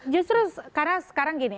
justru karena sekarang gini